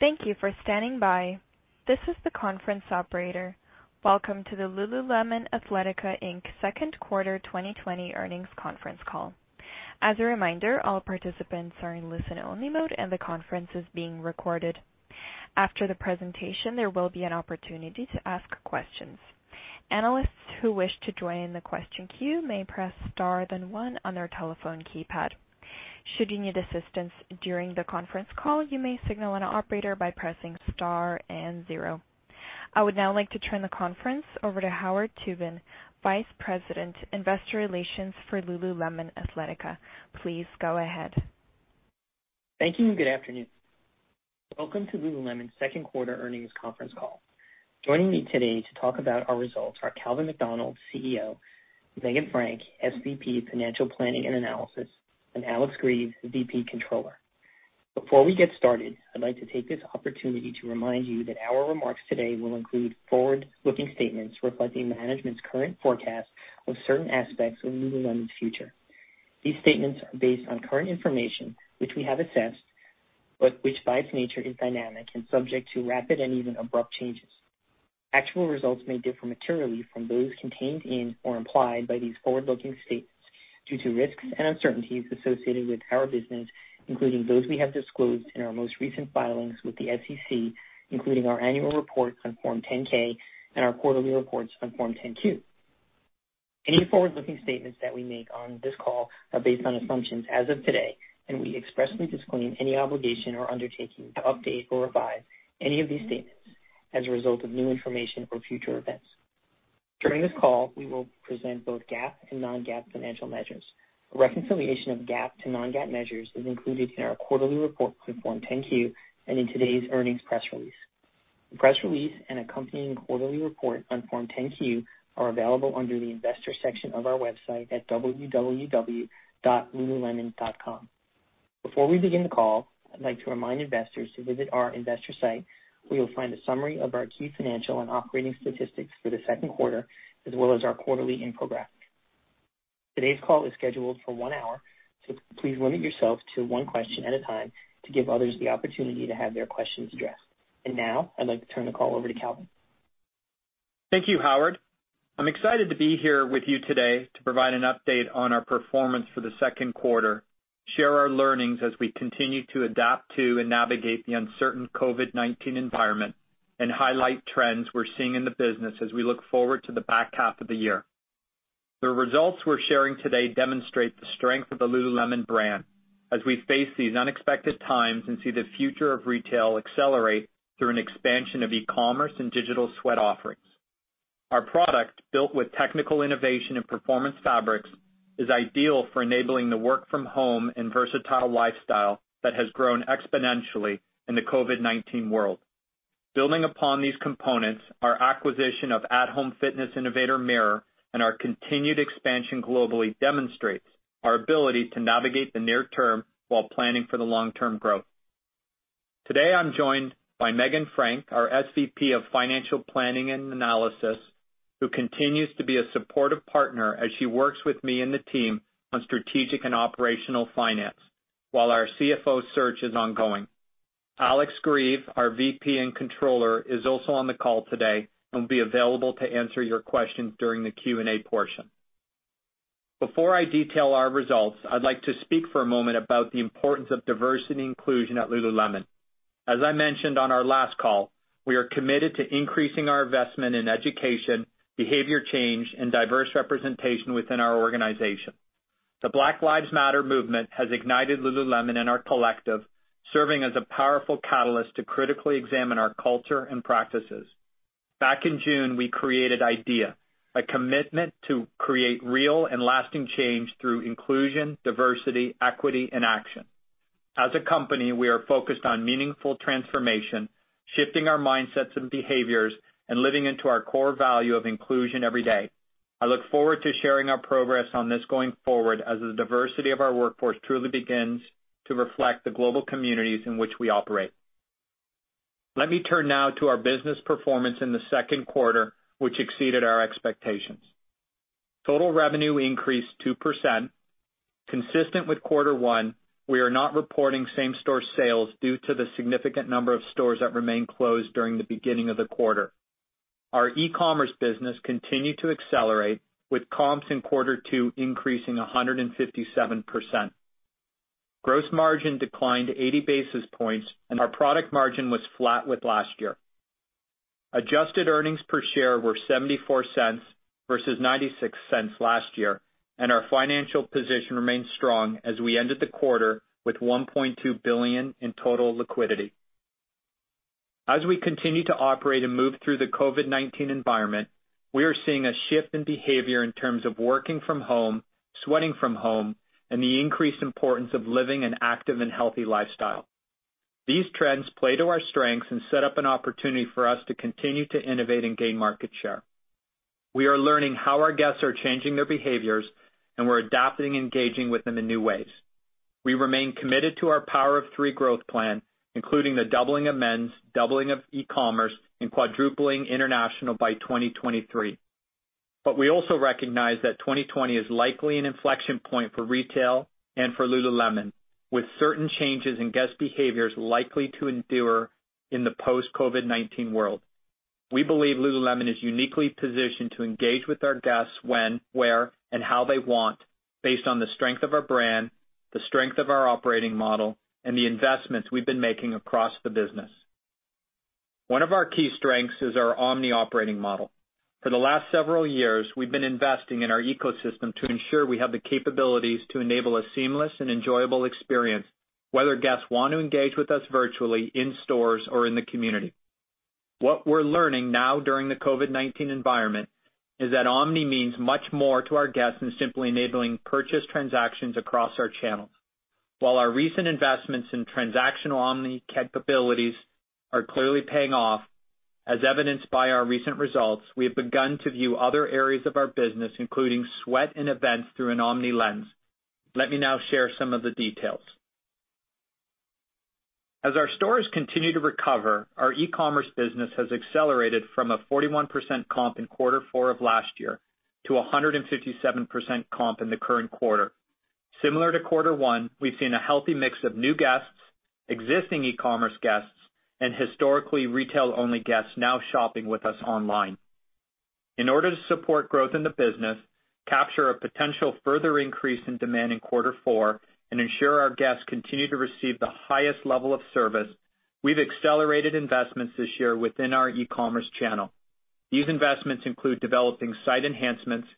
Thank you for standing by. Welcome to the Lululemon Athletica Inc. Second Quarter 2020 earnings conference call. As a reminder, all participants are in listen-only mode and the conference is being recorded. After the presentation there will be an opportunity to ask questions. Analyst who wish to join the question queue may press star then one on their telephone keypad. Should you need assistance during the conference call you may signal an operator by pressing star and zero. I would now like to turn the conference over to Howard Tubin, Vice President, Investor Relations for Lululemon Athletica. Please go ahead. Thank you. Good afternoon. Welcome to Lululemon's second quarter earnings conference call. Joining me today to talk about our results are Calvin McDonald, CEO, Meghan Frank, SVP, Financial Planning and Analysis, and Alex Grieve, VP Controller. Before we get started, I'd like to take this opportunity to remind you that our remarks today will include forward-looking statements reflecting management's current forecast on certain aspects of Lululemon's future. These statements are based on current information, which we have assessed, but which by its nature is dynamic and subject to rapid and even abrupt changes. Actual results may differ materially from those contained in or implied by these forward-looking statements due to risks and uncertainties associated with our business, including those we have disclosed in our most recent filings with the SEC, including our annual report on Form 10-K and our quarterly reports on Form 10-Q. Any forward-looking statements that we make on this call are based on assumptions as of today, and we expressly disclaim any obligation or undertaking to update or revise any of these statements as a result of new information or future events. During this call, we will present both GAAP and non-GAAP financial measures. A reconciliation of GAAP to non-GAAP measures is included in our quarterly report on Form 10-Q and in today's earnings press release. The press release and accompanying quarterly report on Form 10-Q are available under the investor section of our website at www.lululemon.com. Before we begin the call, I'd like to remind investors to visit our investor site, where you'll find a summary of our key financial and operating statistics for the second quarter, as well as our quarterly infographic. Today's call is scheduled for one hour, so please limit yourself to one question at a time to give others the opportunity to have their questions addressed. Now I'd like to turn the call over to Calvin. Thank you, Howard. I'm excited to be here with you today to provide an update on our performance for the second quarter, share our learnings as we continue to adapt to and navigate the uncertain COVID-19 environment, and highlight trends we're seeing in the business as we look forward to the back half of the year. The results we're sharing today demonstrate the strength of the Lululemon brand as we face these unexpected times and see the future of retail accelerate through an expansion of e-commerce and digital sweat offerings. Our product, built with technical innovation and performance fabrics, is ideal for enabling the work from home and versatile lifestyle that has grown exponentially in the COVID-19 world. Building upon these components, our acquisition of at-home fitness innovator Mirror and our continued expansion globally demonstrates our ability to navigate the near term while planning for the long-term growth. Today, I'm joined by Meghan Frank, our SVP of Financial Planning and Analysis, who continues to be a supportive partner as she works with me and the team on strategic and operational finance while our CFO search is ongoing. Alex Grieve, our VP and Controller, is also on the call today and will be available to answer your questions during the Q&A portion. Before I detail our results, I'd like to speak for a moment about the importance of diversity and inclusion at Lululemon. As I mentioned on our last call, we are committed to increasing our investment in education, behavior change, and diverse representation within our organization. The Black Lives Matter movement has ignited Lululemon and our collective, serving as a powerful catalyst to critically examine our culture and practices. Back in June, we created IDEA, a commitment to create real and lasting change through inclusion, diversity, equity, and action. As a company, we are focused on meaningful transformation, shifting our mindsets and behaviors, and living into our core value of inclusion every day. I look forward to sharing our progress on this going forward as the diversity of our workforce truly begins to reflect the global communities in which we operate. Let me turn now to our business performance in the second quarter, which exceeded our expectations. Total revenue increased 2%. Consistent with quarter one, we are not reporting same-store sales due to the significant number of stores that remained closed during the beginning of the quarter. Our e-commerce business continued to accelerate, with comps in quarter two increasing 157%. Gross margin declined 80 basis points, and our product margin was flat with last year. Adjusted earnings per share were $0.74 versus $0.96 last year. Our financial position remains strong as we ended the quarter with $1.2 billion in total liquidity. As we continue to operate and move through the COVID-19 environment, we are seeing a shift in behavior in terms of working from home, sweating from home, and the increased importance of living an active and healthy lifestyle. These trends play to our strengths and set up an opportunity for us to continue to innovate and gain market share. We are learning how our guests are changing their behaviors. We're adapting and engaging with them in new ways. We remain committed to our Power of Three growth plan, including the doubling of men's, doubling of e-commerce, and quadrupling international by 2023. We also recognize that 2020 is likely an inflection point for retail and for Lululemon, with certain changes in guest behaviors likely to endure in the post-COVID-19 world. We believe Lululemon is uniquely positioned to engage with our guests when, where, and how they want, based on the strength of our brand, the strength of our operating model, and the investments we've been making across the business. One of our key strengths is our omni operating model. For the last several years, we've been investing in our ecosystem to ensure we have the capabilities to enable a seamless and enjoyable experience, whether guests want to engage with us virtually, in stores, or in the community. What we're learning now during the COVID-19 environment is that omni means much more to our guests than simply enabling purchase transactions across our channels. While our recent investments in transactional omni capabilities are clearly paying off, as evidenced by our recent results, we have begun to view other areas of our business, including sweat and events, through an omni lens. Let me now share some of the details. As our stores continue to recover, our e-commerce business has accelerated from a 41% comp in quarter four of last year to 157% comp in the current quarter. Similar to quarter one, we've seen a healthy mix of new guests, existing e-commerce guests, and historically retail-only guests now shopping with us online. In order to support growth in the business, capture a potential further increase in demand in quarter four, and ensure our guests continue to receive the highest level of service, we've accelerated investments this year within our e-commerce channel. These investments include developing site enhancements,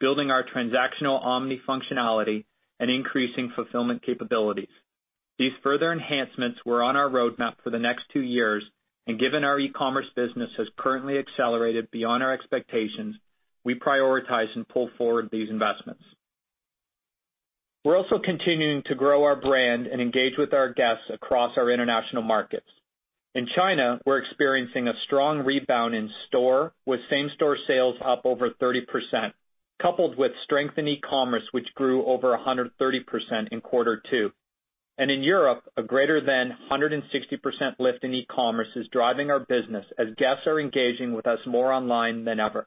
building our transactional omni functionality, and increasing fulfillment capabilities. These further enhancements were on our roadmap for the next two years, and given our e-commerce business has currently accelerated beyond our expectations, we prioritize and pull forward these investments. We're also continuing to grow our brand and engage with our guests across our international markets. In China, we're experiencing a strong rebound in store, with same-store sales up over 30%, coupled with strength in e-commerce, which grew over 130% in quarter two. In Europe, a greater than 160% lift in e-commerce is driving our business as guests are engaging with us more online than ever.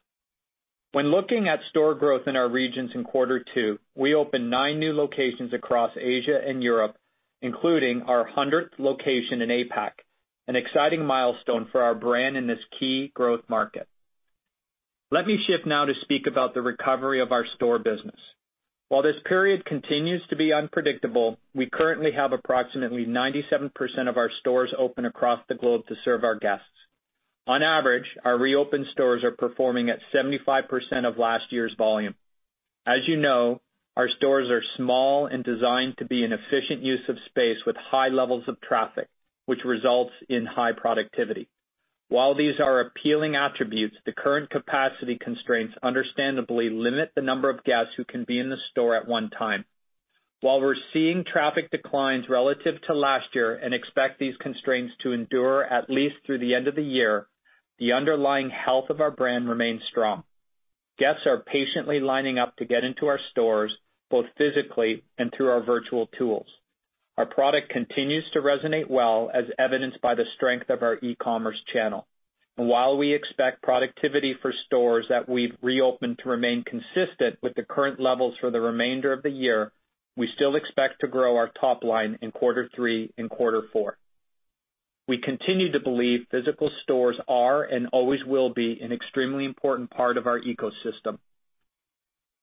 When looking at store growth in our regions in quarter two, we opened nine new locations across Asia and Europe, including our 100th location in APAC, an exciting milestone for our brand in this key growth market. Let me shift now to speak about the recovery of our store business. While this period continues to be unpredictable, we currently have approximately 97% of our stores open across the globe to serve our guests. On average, our reopened stores are performing at 75% of last year's volume. As you know, our stores are small and designed to be an efficient use of space with high levels of traffic, which results in high productivity. While these are appealing attributes, the current capacity constraints understandably limit the number of guests who can be in the store at one time. While we're seeing traffic declines relative to last year and expect these constraints to endure at least through the end of the year, the underlying health of our brand remains strong. Guests are patiently lining up to get into our stores, both physically and through our virtual tools. Our product continues to resonate well, as evidenced by the strength of our e-commerce channel. While we expect productivity for stores that we've reopened to remain consistent with the current levels for the remainder of the year, we still expect to grow our top line in quarter three and quarter four. We continue to believe physical stores are and always will be an extremely important part of our ecosystem.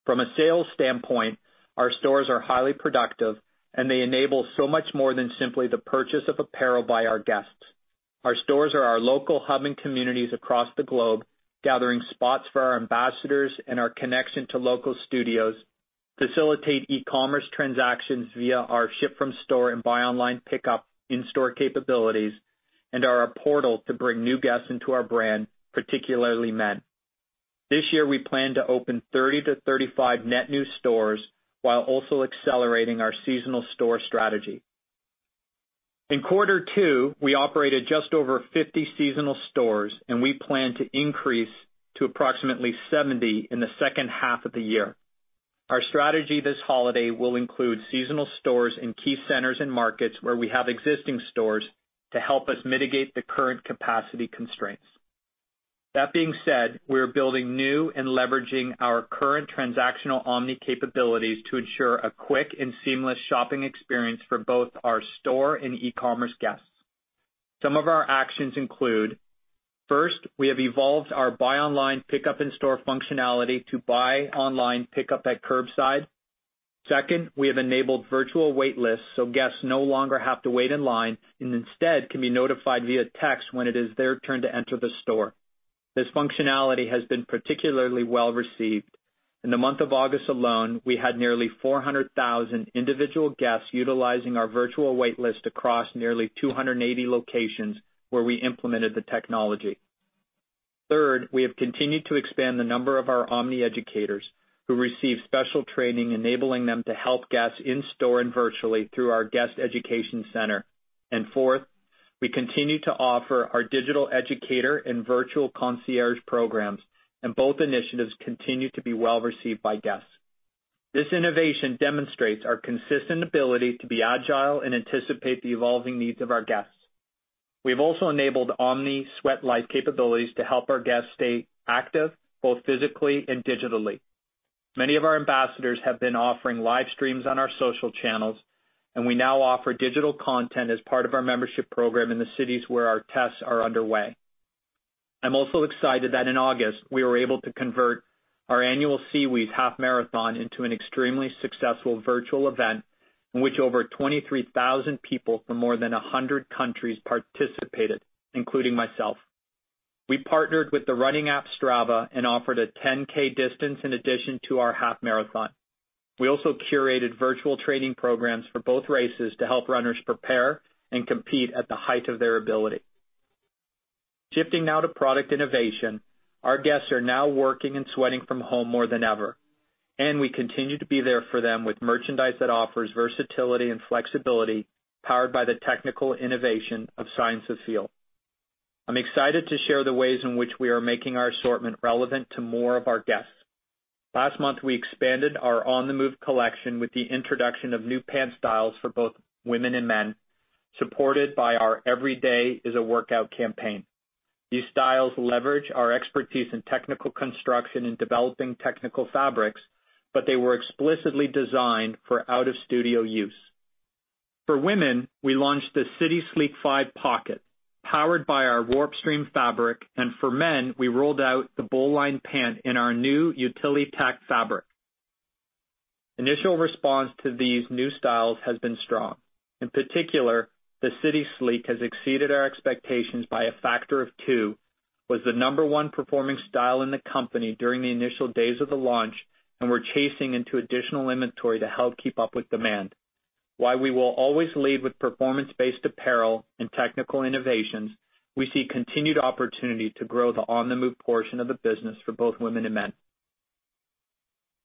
From a sales standpoint, our stores are highly productive, and they enable so much more than simply the purchase of apparel by our guests. Our stores are our local hubbing communities across the globe, gathering spots for our ambassadors and our connection to local studios, facilitate e-commerce transactions via our ship from store and buy online pickup in-store capabilities, and are a portal to bring new guests into our brand, particularly men. This year, we plan to open 30-35 net new stores while also accelerating our seasonal store strategy. In quarter two, we operated just over 50 seasonal stores, and we plan to increase to approximately 70 in the second half of the year. Our strategy this holiday will include seasonal stores in key centers and markets where we have existing stores to help us mitigate the current capacity constraints. That being said, we are building new and leveraging our current transactional omni capabilities to ensure a quick and seamless shopping experience for both our store and e-commerce guests. Some of our actions include, first, we have evolved our buy online, pickup in-store functionality to buy online, pickup at curbside. Second, we have enabled virtual wait lists, so guests no longer have to wait in line and instead can be notified via text when it is their turn to enter the store. This functionality has been particularly well-received. In the month of August alone, we had nearly 400,000 individual guests utilizing our virtual wait list across nearly 280 locations where we implemented the technology. Third, we have continued to expand the number of our omni educators who receive special training, enabling them to help guests in store and virtually through our Guest Education Center. Fourth, we continue to offer our digital educator and virtual concierge programs, and both initiatives continue to be well-received by guests. This innovation demonstrates our consistent ability to be agile and anticipate the evolving needs of our guests. We've also enabled omni Sweatlife capabilities to help our guests stay active, both physically and digitally. Many of our ambassadors have been offering live streams on our social channels, and we now offer digital content as part of our membership program in the cities where our tests are underway. I'm also excited that in August, we were able to convert our annual SeaWheeze Half Marathon into an extremely successful virtual event in which over 23,000 people from more than 100 countries participated, including myself. We partnered with the running app Strava and offered a 10K distance in addition to our half marathon. We also curated virtual training programs for both races to help runners prepare and compete at the height of their ability. Shifting now to product innovation, our guests are now working and sweating from home more than ever, and we continue to be there for them with merchandise that offers versatility and flexibility powered by the technical innovation of Science of Feel. I'm excited to share the ways in which we are making our assortment relevant to more of our guests. Last month, we expanded our On The Move collection with the introduction of new pant styles for both women and men, supported by our Everyday is a Workout campaign. These styles leverage our expertise in technical construction and developing technical fabrics, but they were explicitly designed for out-of-studio use. For women, we launched the City Sleek 5 Pocket, powered by our Warpstreme fabric, and for men, we rolled out the Bowline pant in our new Utilitech fabric. Initial response to these new styles has been strong. In particular, the City Sleek has exceeded our expectations by a factor of two, was the number one performing style in the company during the initial days of the launch, and we're chasing into additional inventory to help keep up with demand. While we will always lead with performance-based apparel and technical innovations, we see continued opportunity to grow the On The Move portion of the business for both women and men.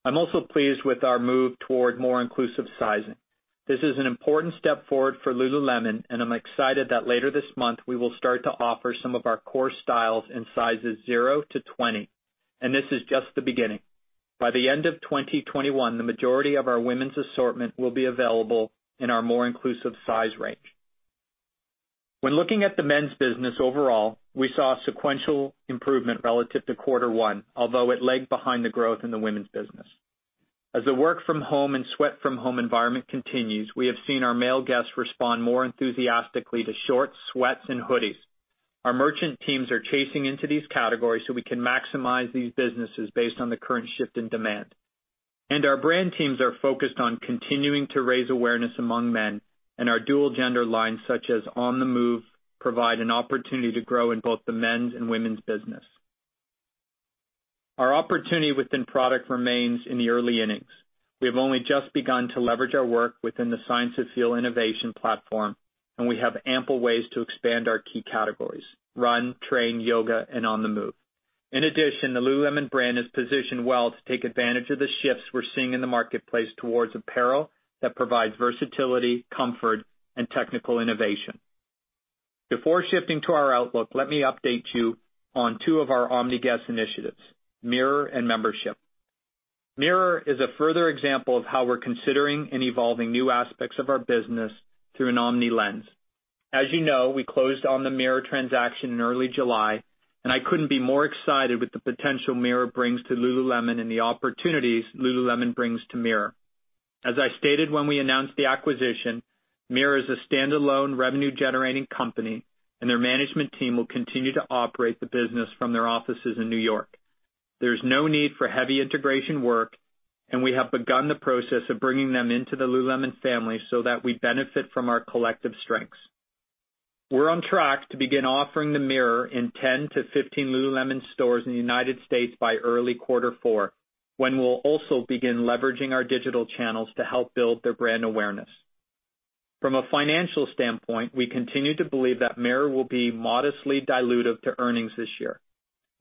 I'm also pleased with our move toward more inclusive sizing. This is an important step forward for Lululemon, I'm excited that later this month, we will start to offer some of our core styles in sizes zero to 20. This is just the beginning. By the end of 2021, the majority of our women's assortment will be available in our more inclusive size range. When looking at the men's business overall, we saw a sequential improvement relative to quarter one, although it lagged behind the growth in the women's business. As the work from home and sweat from home environment continues, we have seen our male guests respond more enthusiastically to shorts, sweats, and hoodies. Our merchant teams are chasing into these categories so we can maximize these businesses based on the current shift in demand. Our brand teams are focused on continuing to raise awareness among men, our dual gender lines such as On The Move provide an opportunity to grow in both the men's and women's business. Our opportunity within product remains in the early innings. We have only just begun to leverage our work within the Science of Feel innovation platform, and we have ample ways to expand our key categories, Run, Train, Yoga, and On The Move. In addition, the Lululemon brand is positioned well to take advantage of the shifts we're seeing in the marketplace towards apparel that provides versatility, comfort, and technical innovation. Before shifting to our outlook, let me update you on two of our omni guest initiatives, Mirror and Membership. Mirror is a further example of how we're considering and evolving new aspects of our business through an omni lens. As you know, we closed on the Mirror transaction in early July, and I couldn't be more excited with the potential Mirror brings to Lululemon and the opportunities Lululemon brings to Mirror. As I stated when we announced the acquisition, Mirror is a standalone revenue-generating company, and their management team will continue to operate the business from their offices in New York. There's no need for heavy integration work, and we have begun the process of bringing them into the Lululemon family so that we benefit from our collective strengths. We're on track to begin offering the Mirror in 10-15 Lululemon stores in the U.S. by early quarter four, when we'll also begin leveraging our digital channels to help build their brand awareness. From a financial standpoint, we continue to believe that Mirror will be modestly dilutive to earnings this year.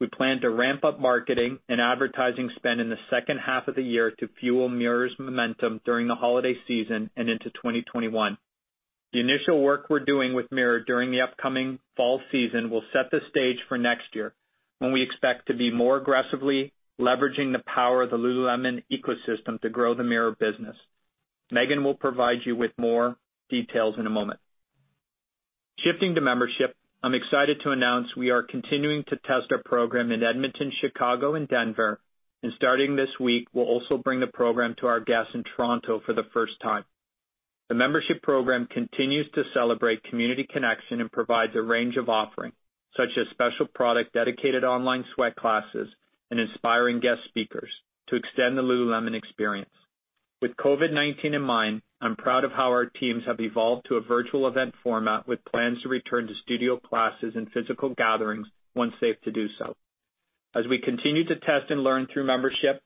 We plan to ramp up marketing and advertising spend in the second half of the year to fuel Mirror's momentum during the holiday season and into 2021. The initial work we're doing with Mirror during the upcoming fall season will set the stage for next year, when we expect to be more aggressively leveraging the power of the Lululemon ecosystem to grow the Mirror business. Meghan will provide you with more details in a moment. Shifting to membership, I'm excited to announce we are continuing to test our program in Edmonton, Chicago, and Denver. Starting this week, we'll also bring the program to our guests in Toronto for the first time. The membership program continues to celebrate community connection and provides a range of offering, such as special product dedicated online sweat classes and inspiring guest speakers to extend the Lululemon experience. With COVID-19 in mind, I'm proud of how our teams have evolved to a virtual event format with plans to return to studio classes and physical gatherings once safe to do so. As we continue to test and learn through membership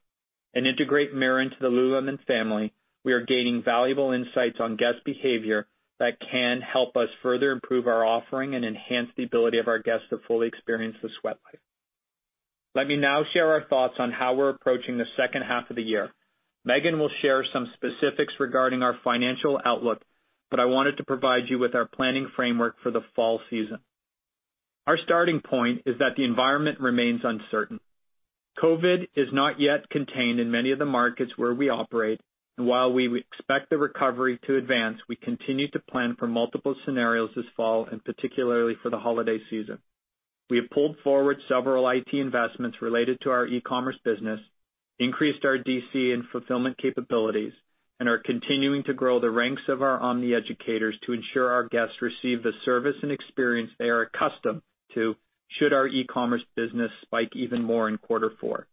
and integrate Mirror into the Lululemon family, we are gaining valuable insights on guest behavior that can help us further improve our offering and enhance the ability of our guests to fully experience the sweat life. Let me now share our thoughts on how we're approaching the second half of the year. Meghan will share some specifics regarding our financial outlook. I wanted to provide you with our planning framework for the fall season. Our starting point is that the environment remains uncertain. COVID is not yet contained in many of the markets where we operate, and while we expect the recovery to advance, we continue to plan for multiple scenarios this fall, and particularly for the holiday season. We have pulled forward several IT investments related to our e-commerce business, increased our DC and fulfillment capabilities, and are continuing to grow the ranks of our omni educators to ensure our guests receive the service and experience they are accustomed to, should our e-commerce business spike even more in quarter four.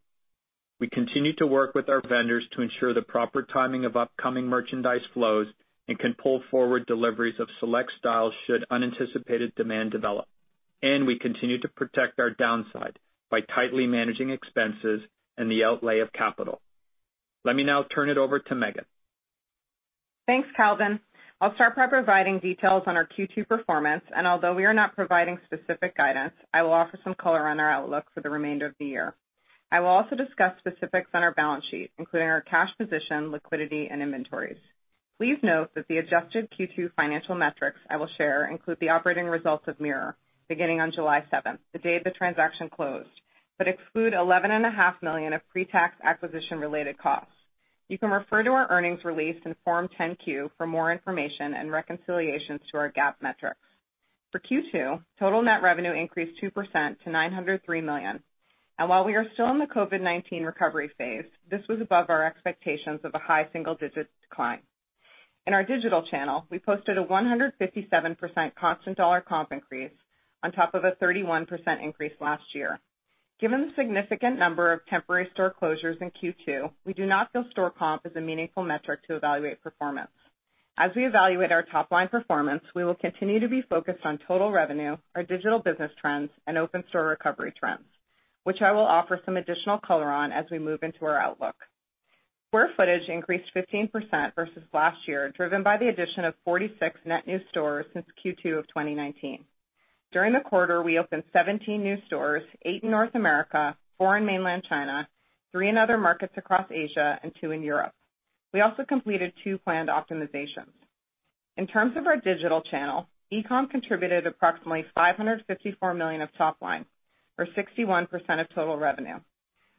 We continue to work with our vendors to ensure the proper timing of upcoming merchandise flows and can pull forward deliveries of select styles should unanticipated demand develop. We continue to protect our downside by tightly managing expenses and the outlay of capital. Let me now turn it over to Meghan. Thanks, Calvin. I'll start by providing details on our Q2 performance, and although we are not providing specific guidance, I will offer some color on our outlook for the remainder of the year. I will also discuss specifics on our balance sheet, including our cash position, liquidity, and inventories. Please note that the adjusted Q2 financial metrics I will share include the operating results of Mirror beginning on July 7th, the day the transaction closed, but exclude $11.5 million of pre-tax acquisition-related costs. You can refer to our earnings release in Form 10-Q for more information and reconciliations to our GAAP metrics. For Q2, total net revenue increased 2% to $903 million. While we are still in the COVID-19 recovery phase, this was above our expectations of a high single-digit decline. In our digital channel, we posted a 157% constant dollar comp increase on top of a 31% increase last year. Given the significant number of temporary store closures in Q2, we do not feel store comp is a meaningful metric to evaluate performance. As we evaluate our top-line performance, we will continue to be focused on total revenue, our digital business trends, and open store recovery trends, which I will offer some additional color on as we move into our outlook. Square footage increased 15% versus last year, driven by the addition of 46 net new stores since Q2 of 2019. During the quarter, we opened 17 new stores, eight in North America, four in Mainland China, three in other markets across Asia, and two in Europe. We also completed two planned optimizations. In terms of our digital channel, e-com contributed approximately $554 million of top line, or 61% of total revenue.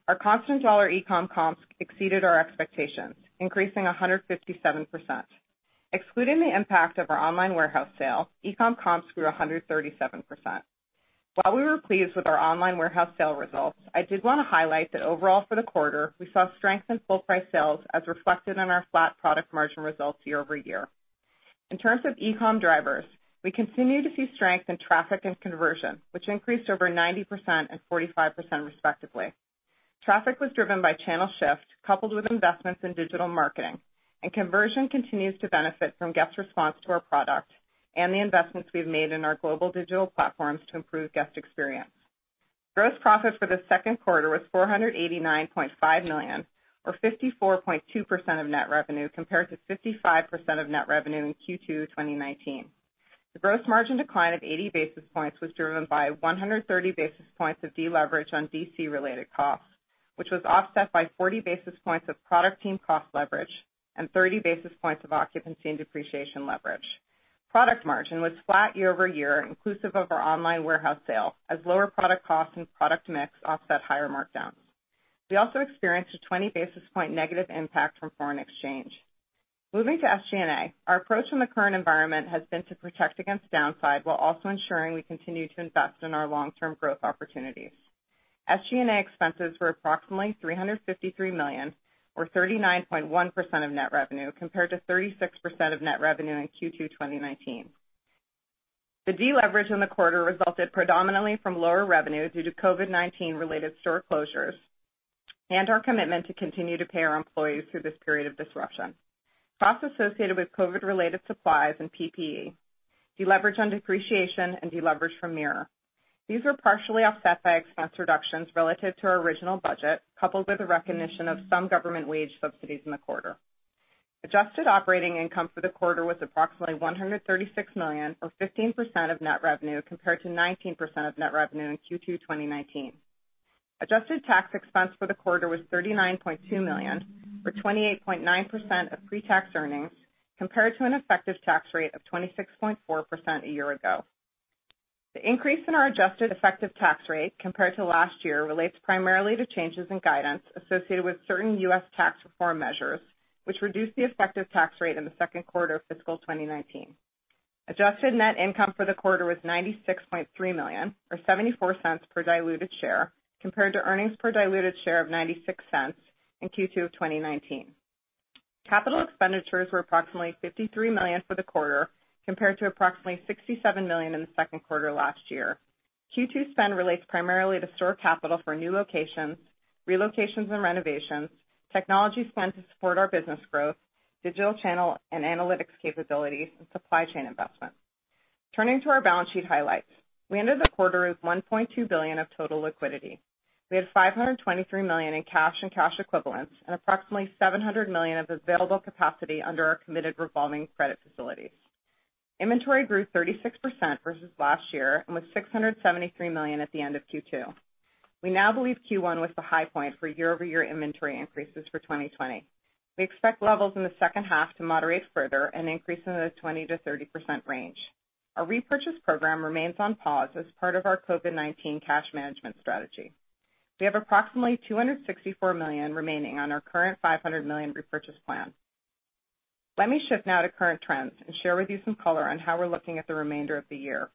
Our constant dollar e-com comps exceeded our expectations, increasing 157%. Excluding the impact of our online warehouse sale, e-com comps grew 137%. While we were pleased with our online warehouse sale results, I did want to highlight that overall for the quarter, we saw strength in full price sales as reflected in our flat product margin results year-over-year. In terms of e-com drivers, we continue to see strength in traffic and conversion, which increased over 90% and 45% respectively. Traffic was driven by channel shift coupled with investments in digital marketing, and conversion continues to benefit from guest response to our product and the investments we've made in our global digital platforms to improve guest experience. Gross profit for the second quarter was $489.5 million, or 54.2% of net revenue, compared to 55% of net revenue in Q2 2019. The gross margin decline of 80 basis points was driven by 130 basis points of deleverage on DC-related costs, which was offset by 40 basis points of product team cost leverage and 30 basis points of occupancy and depreciation leverage. Product margin was flat year-over-year, inclusive of our online warehouse sale, as lower product costs and product mix offset higher markdowns. We also experienced a 20 basis point negative impact from foreign exchange. Moving to SG&A, our approach in the current environment has been to protect against downside while also ensuring we continue to invest in our long-term growth opportunities. SG&A expenses were approximately $353 million, or 39.1% of net revenue, compared to 36% of net revenue in Q2 2019. The deleverage in the quarter resulted predominantly from lower revenue due to COVID-19-related store closures and our commitment to continue to pay our employees through this period of disruption. Costs associated with COVID-related supplies and PPE, deleverage on depreciation, and deleverage from Mirror. These were partially offset by expense reductions relative to our original budget, coupled with the recognition of some government wage subsidies in the quarter. Adjusted operating income for the quarter was approximately $136 million, or 15% of net revenue, compared to 19% of net revenue in Q2 2019. Adjusted tax expense for the quarter was $39.2 million, or 28.9% of pre-tax earnings, compared to an effective tax rate of 26.4% a year ago. The increase in our adjusted effective tax rate compared to last year relates primarily to changes in guidance associated with certain U.S. tax reform measures, which reduced the effective tax rate in the second quarter of fiscal 2019. Adjusted net income for the quarter was $96.3 million, or $0.74 per diluted share, compared to earnings per diluted share of $0.96 in Q2 of 2019. Capital expenditures were approximately $53 million for the quarter, compared to approximately $67 million in the second quarter last year. Q2 spend relates primarily to store capital for new locations, relocations and renovations, technology spend to support our business growth, digital channel and analytics capabilities, and supply chain investments. Turning to our balance sheet highlights. We ended the quarter with $1.2 billion of total liquidity. We had $523 million in cash and cash equivalents and approximately $700 million of available capacity under our committed revolving credit facilities. Inventory grew 36% versus last year and was $673 million at the end of Q2. We now believe Q1 was the high point for year-over-year inventory increases for 2020. We expect levels in the second half to moderate further and increase in the 20%-30% range. Our repurchase program remains on pause as part of our COVID-19 cash management strategy. We have approximately $264 million remaining on our current $500 million repurchase plan. Let me shift now to current trends and share with you some color on how we're looking at the remainder of the year.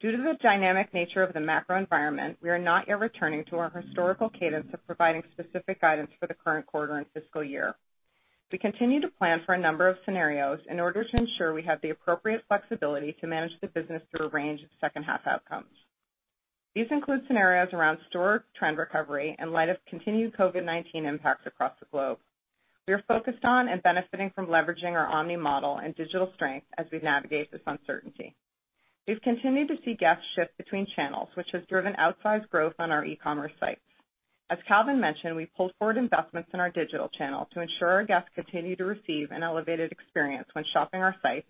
Due to the dynamic nature of the macro environment, we are not yet returning to our historical cadence of providing specific guidance for the current quarter and fiscal year. We continue to plan for a number of scenarios in order to ensure we have the appropriate flexibility to manage the business through a range of second half outcomes. These include scenarios around store trend recovery in light of continued COVID-19 impacts across the globe. We are focused on and benefiting from leveraging our omni model and digital strength as we navigate this uncertainty. We've continued to see guests shift between channels, which has driven outsized growth on our e-commerce sites. As Calvin mentioned, we pulled forward investments in our digital channel to ensure our guests continue to receive an elevated experience when shopping our sites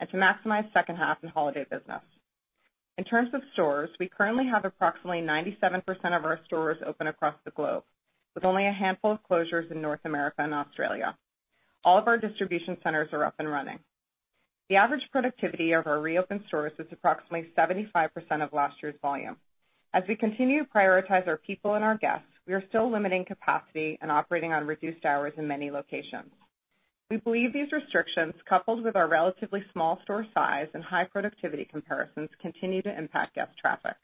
and to maximize second half and holiday business. In terms of stores, we currently have approximately 97% of our stores open across the globe, with only a handful of closures in North America and Australia. All of our distribution centers are up and running. The average productivity of our reopened stores is approximately 75% of last year's volume. As we continue to prioritize our people and our guests, we are still limiting capacity and operating on reduced hours in many locations. We believe these restrictions, coupled with our relatively small store size and high productivity comparisons, continue to impact guest traffic.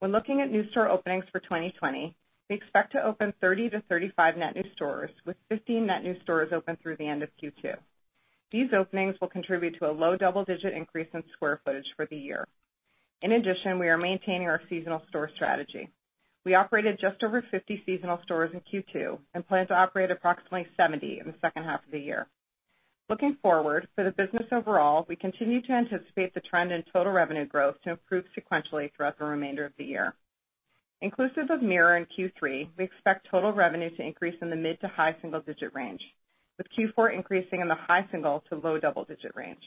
When looking at new store openings for 2020, we expect to open 30-35 net new stores, with 15 net new stores open through the end of Q2. These openings will contribute to a low double-digit increase in square footage for the year. In addition, we are maintaining our seasonal store strategy. We operated just over 50 seasonal stores in Q2 and plan to operate approximately 70 in the second half of the year. Looking forward, for the business overall, we continue to anticipate the trend in total revenue growth to improve sequentially throughout the remainder of the year. Inclusive of Mirror in Q3, we expect total revenue to increase in the mid to high single-digit range, with Q4 increasing in the high single to low double-digit range.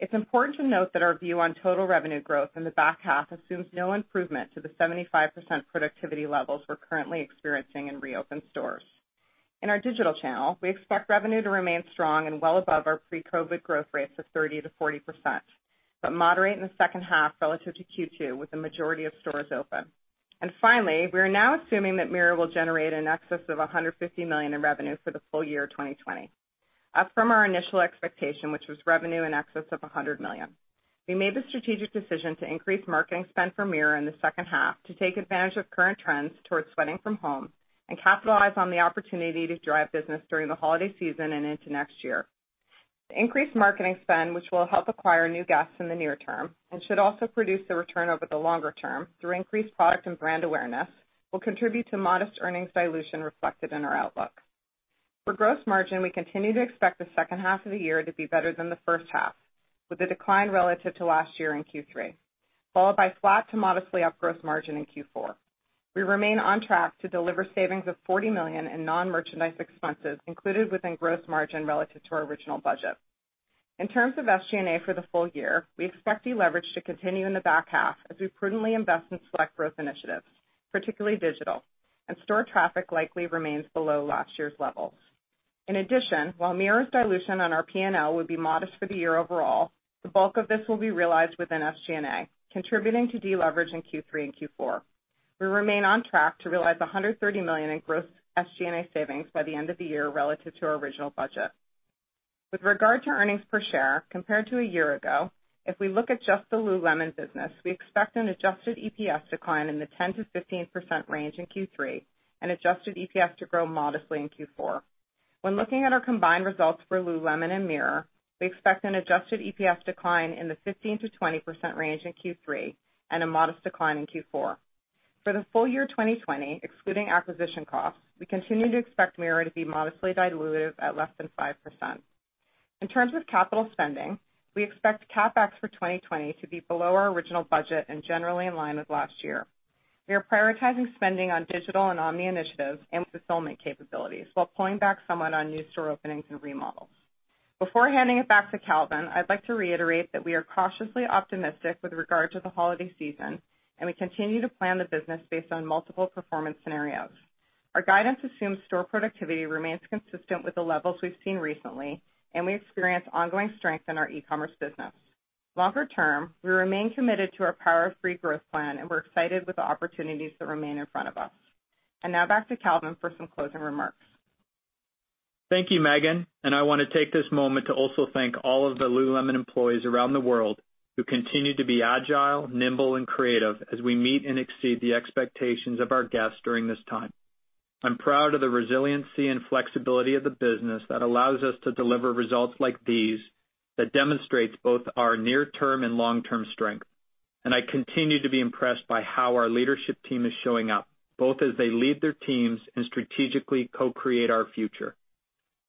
It's important to note that our view on total revenue growth in the back half assumes no improvement to the 75% productivity levels we're currently experiencing in reopened stores. In our digital channel, we expect revenue to remain strong and well above our pre-COVID growth rates of 30%-40%, but moderate in the second half relative to Q2, with the majority of stores open. Finally, we are now assuming that Mirror will generate in excess of $150 million in revenue for the full year 2020, up from our initial expectation, which was revenue in excess of $100 million. We made the strategic decision to increase marketing spend for Mirror in the second half to take advantage of current trends towards sweating from home and capitalize on the opportunity to drive business during the holiday season and into next year. The increased marketing spend, which will help acquire new guests in the near term and should also produce a return over the longer term through increased product and brand awareness, will contribute to modest earnings dilution reflected in our outlook. For gross margin, we continue to expect the second half of the year to be better than the first half, with a decline relative to last year in Q3, followed by flat to modestly up gross margin in Q4. We remain on track to deliver savings of $40 million in non-merchandise expenses included within gross margin relative to our original budget. In terms of SG&A for the full year, we expect deleverage to continue in the back half as we prudently invest in select growth initiatives, particularly digital, and store traffic likely remains below last year's levels. In addition, while Mirror's dilution on our P&L would be modest for the year overall, the bulk of this will be realized within SG&A, contributing to deleverage in Q3 and Q4. We remain on track to realize $130 million in gross SG&A savings by the end of the year relative to our original budget. With regard to earnings per share, compared to a year ago, if we look at just the Lululemon business, we expect an adjusted EPS decline in the 10%-15% range in Q3 and adjusted EPS to grow modestly in Q4. When looking at our combined results for Lululemon and Mirror, we expect an adjusted EPS decline in the 15%-20% range in Q3 and a modest decline in Q4. For the full year 2020, excluding acquisition costs, we continue to expect Mirror to be modestly dilutive at less than 5%. In terms of capital spending, we expect CapEx for 2020 to be below our original budget and generally in line with last year. We are prioritizing spending on digital and omni initiatives and fulfillment capabilities while pulling back somewhat on new store openings and remodels. Before handing it back to Calvin, I'd like to reiterate that we are cautiously optimistic with regard to the holiday season, and we continue to plan the business based on multiple performance scenarios. Our guidance assumes store productivity remains consistent with the levels we've seen recently, and we experience ongoing strength in our e-commerce business. Longer term, we remain committed to our Power of Three growth plan, and we're excited with the opportunities that remain in front of us. Now back to Calvin for some closing remarks. Thank you, Meghan. I want to take this moment to also thank all of the Lululemon employees around the world who continue to be agile, nimble, and creative as we meet and exceed the expectations of our guests during this time. I'm proud of the resiliency and flexibility of the business that allows us to deliver results like these that demonstrates both our near-term and long-term strength. I continue to be impressed by how our leadership team is showing up, both as they lead their teams and strategically co-create our future.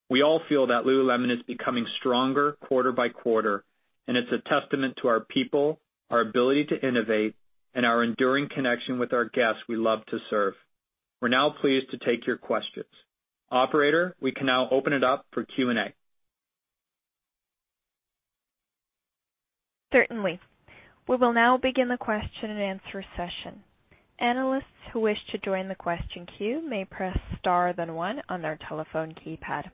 We all feel that Lululemon is becoming stronger quarter by quarter, and it's a testament to our people, our ability to innovate, and our enduring connection with our guests we love to serve. We're now pleased to take your questions. Operator, we can now open it up for Q&A. Certainly. We will now begin the question and answer session. Analyst who wish to join the question queue may press star then one on their telephone keypad.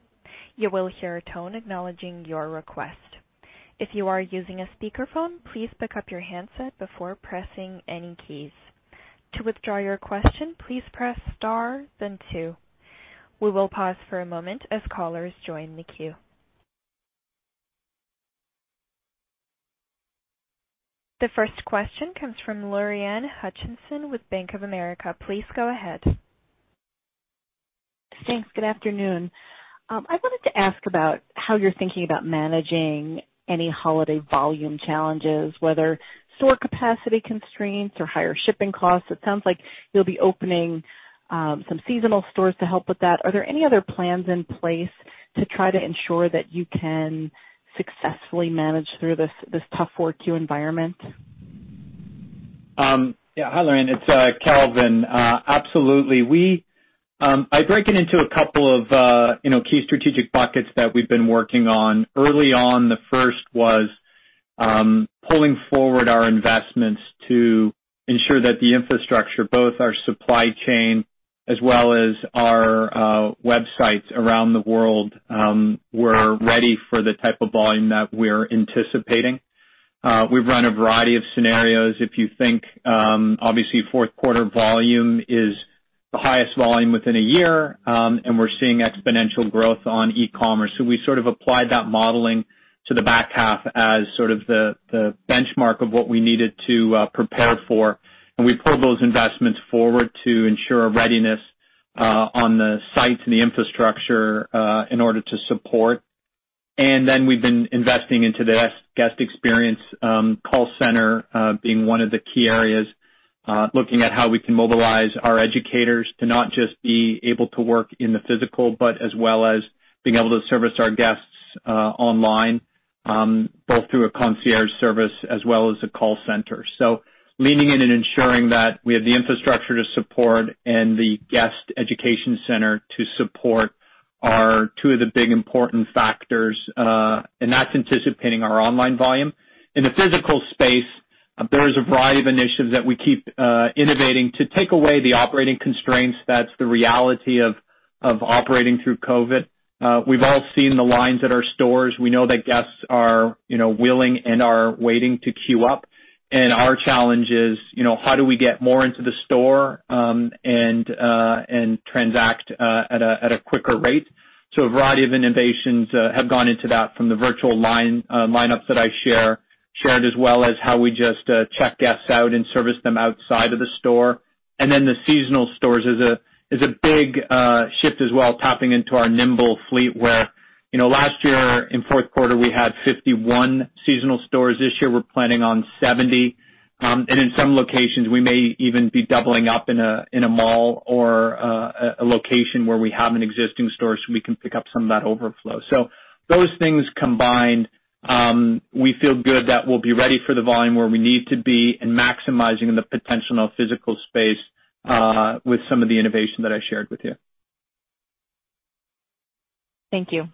You will hear a tone acknowledging your request. If you are using a speaker phone please pickup your handset before pressing any keys. To withdraw your question please press star then two. We will pause for a moment if callers join the queue. The first question comes from Lorraine Hutchinson with Bank of America. Please go ahead. Thanks. Good afternoon. I wanted to ask about how you're thinking about managing any holiday volume challenges, whether store capacity constraints or higher shipping costs. It sounds like you'll be opening some seasonal stores to help with that. Are there any other plans in place to try to ensure that you can successfully manage through this tough 4Q environment? Yeah. Hi, Lorraine. It's Calvin. Absolutely. I break it into a couple of key strategic buckets that we've been working on. Early on, the first was pulling forward our investments to ensure that the infrastructure, both our supply chain as well as our websites around the world, were ready for the type of volume that we're anticipating. We've run a variety of scenarios. If you think, obviously, fourth quarter volume is the highest volume within a year, and we're seeing exponential growth on e-commerce. We applied that modeling to the back half as the benchmark of what we needed to prepare for. We pulled those investments forward to ensure a readiness on the sites and the infrastructure in order to support. We've been investing into the guest experience call center being one of the key areas, looking at how we can mobilize our educators to not just be able to work in the physical, but as well as being able to service our guests online, both through a concierge service as well as a call center. Leaning in and ensuring that we have the infrastructure to support and the guest education center to support are two of the big important factors, and that's anticipating our online volume. In the physical space, there is a variety of initiatives that we keep innovating to take away the operating constraints that's the reality of operating through COVID. We've all seen the lines at our stores. We know that guests are willing and are waiting to queue up. Our challenge is how do we get more into the store, and transact at a quicker rate. A variety of innovations have gone into that from the virtual lineups that I shared, as well as how we just check guests out and service them outside of the store. The seasonal stores is a big shift as well, tapping into our nimble fleet, where last year in fourth quarter, we had 51 seasonal stores. This year, we're planning on 70. In some locations, we may even be doubling up in a mall or a location where we have an existing store so we can pick up some of that overflow. Those things combined, we feel good that we'll be ready for the volume where we need to be and maximizing the potential physical space with some of the innovation that I shared with you. Thank you.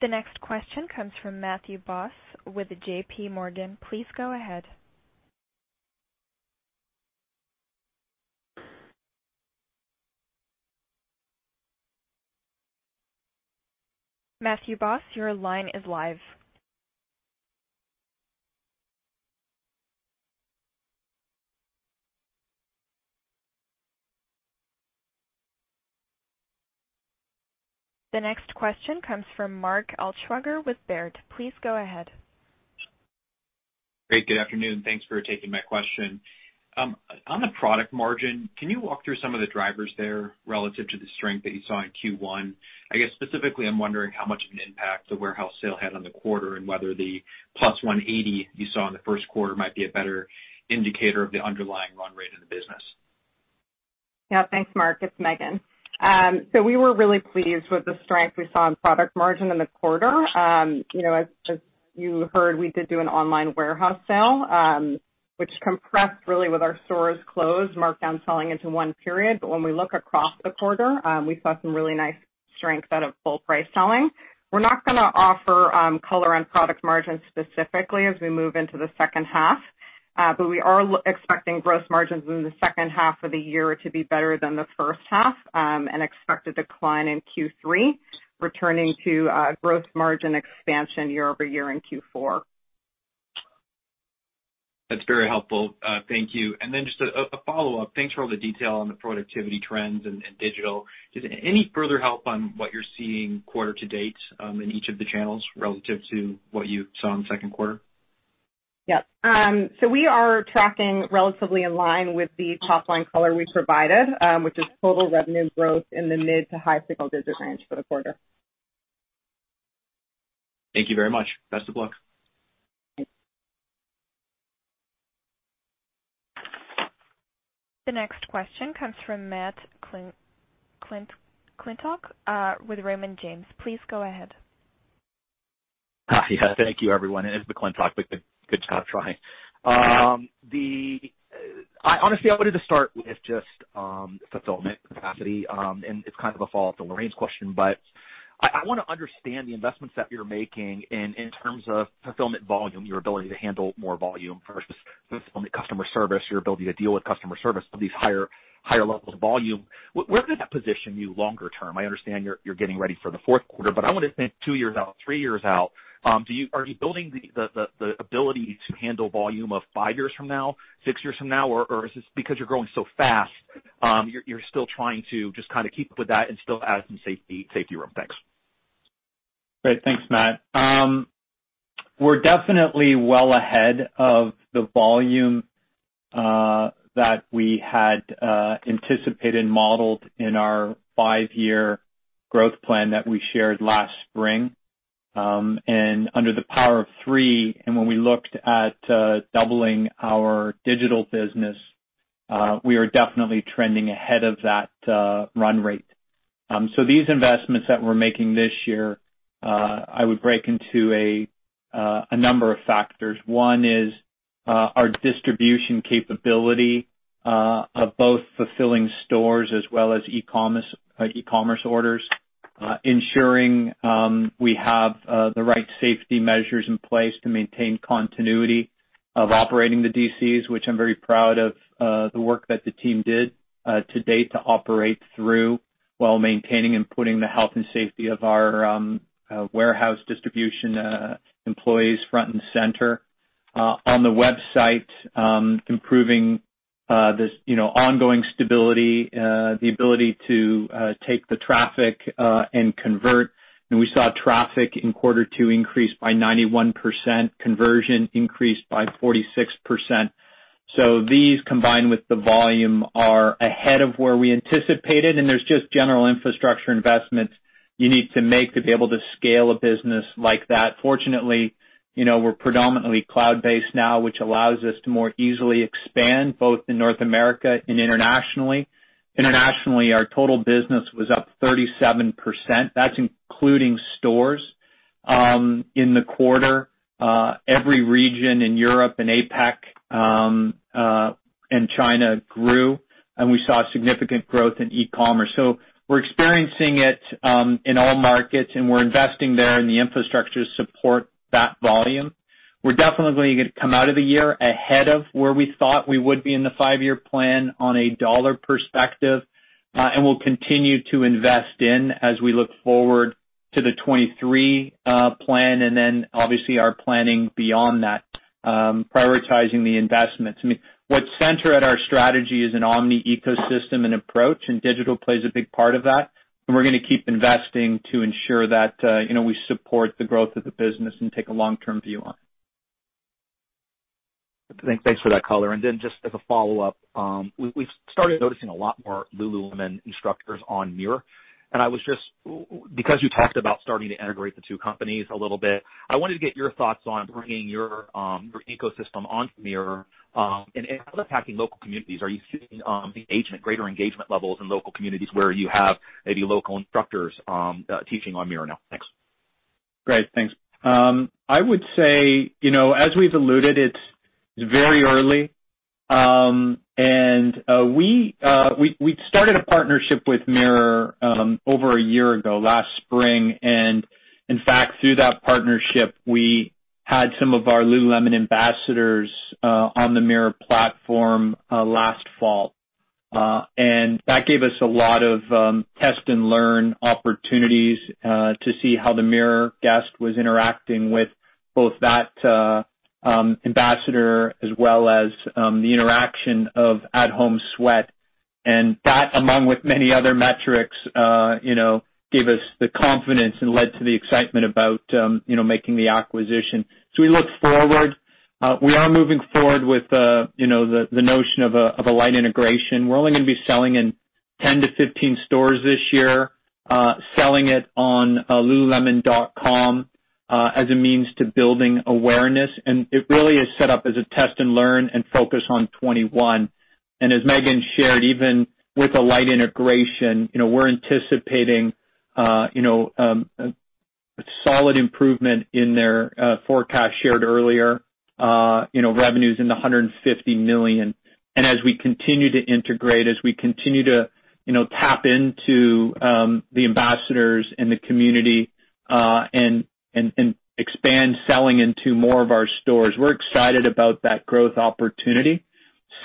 The next question comes from Matthew Boss with JPMorgan. Please go ahead. Matthew Boss, your line is live. The next question comes from Mark Altschwager with Baird. Please go ahead. Great. Good afternoon. Thanks for taking my question. On the product margin, can you walk through some of the drivers there relative to the strength that you saw in Q1? I guess specifically, I'm wondering how much of an impact the warehouse sale had on the quarter, and whether the +180 you saw in the first quarter might be a better indicator of the underlying run rate of the business. Yeah. Thanks, Mark. It's Meghan. We were really pleased with the strength we saw in product margin in the quarter. As you heard, we did do an online warehouse sale, which compressed really with our stores closed, marked down selling into one period. When we look across the quarter, we saw some really nice strength out of full price selling. We're not going to offer color on product margin specifically as we move into the second half, but we are expecting gross margins in the second half of the year to be better than the first half, and expect a decline in Q3, returning to growth margin expansion year-over-year in Q4. That's very helpful. Thank you. Just a follow-up. Thanks for all the detail on the productivity trends and digital. Just any further help on what you're seeing quarter to date in each of the channels relative to what you saw in the second quarter? We are tracking relatively in line with the top-line color we provided, which is total revenue growth in the mid to high single-digit range for the quarter. Thank you very much. Best of luck. The next question comes from Matthew McClintock with Raymond James. Please go ahead. Hi. Thank you, everyone. It is McClintock, but good try. Honestly, I wanted to start with just fulfillment capacity, and it's kind of a follow-up to Lorraine's question, but I want to understand the investments that you're making in terms of fulfillment volume, your ability to handle more volume versus fulfillment customer service, your ability to deal with customer service of these higher levels of volume. Where does that position you longer term? I understand you're getting ready for the fourth quarter, but I want to think two years out, three years out. Are you building the ability to handle volume of five years from now, six years from now? Is this because you're growing so fast, you're still trying to just kind of keep up with that and still add some safety room? Thanks. Great. Thanks, Matt. We're definitely well ahead of the volume that we had anticipated and modeled in our five-year growth plan that we shared last spring. Under the Power of Three, when we looked at doubling our digital business, we are definitely trending ahead of that run rate. These investments that we're making this year, I would break into a number of factors. One is our distribution capability of both fulfilling stores as well as e-commerce orders, ensuring we have the right safety measures in place to maintain continuity of operating the DCs, which I'm very proud of the work that the team did to date to operate through while maintaining and putting the health and safety of our warehouse distribution employees front and center. On the website, improving this ongoing stability, the ability to take the traffic and convert. We saw traffic in quarter two increase by 91%, conversion increased by 46%. These, combined with the volume, are ahead of where we anticipated. There's just general infrastructure investments you need to make to be able to scale a business like that. Fortunately, we're predominantly cloud-based now, which allows us to more easily expand both in North America and internationally. Internationally, our total business was up 37%. That's including stores in the quarter. Every region in Europe and APAC, and China grew, and we saw significant growth in e-commerce. We're experiencing it in all markets, and we're investing there in the infrastructure to support that volume. We're definitely going to come out of the year ahead of where we thought we would be in the five-year plan on a dollar perspective. We'll continue to invest in as we look forward to the 2023 plan, and then obviously are planning beyond that, prioritizing the investments. What's center at our strategy is an omni ecosystem and approach, and digital plays a big part of that, and we're going to keep investing to ensure that we support the growth of the business and take a long-term view on it. Thanks for that color. Just as a follow-up, we've started noticing a lot more Lululemon instructors on Mirror. You talked about starting to integrate the two companies a little bit, I wanted to get your thoughts on bringing your ecosystem onto Mirror and impacting local communities. Are you seeing greater engagement levels in local communities where you have maybe local instructors teaching on Mirror now? Thanks. Great. Thanks. I would say, as we've alluded, it's very early. We started a partnership with Mirror over a year ago, last spring. In fact, through that partnership, we had some of our Lululemon ambassadors on the Mirror platform last fall. That gave us a lot of test and learn opportunities to see how the Mirror guest was interacting with both that ambassador as well as the interaction of at-home sweat. That, among many other metrics, gave us the confidence and led to the excitement about making the acquisition. We look forward. We are moving forward with the notion of a light integration. We're only going to be selling in 10-15 stores this year, selling it on lululemon.com, as a means to building awareness. It really is set up as a test and learn, and focus on 2021. As Meghan shared, even with a light integration, we're anticipating a solid improvement in their forecast shared earlier, revenues in the $150 million. As we continue to integrate, as we continue to tap into the ambassadors and the community, and expand selling into more of our stores, we're excited about that growth opportunity.